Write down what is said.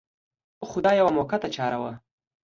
خو دا یوه موقته چاره وه.